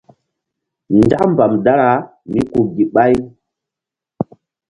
Nzak mbam dara míku gíɓay.